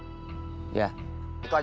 kang murad jangan handle urusan rumah sakit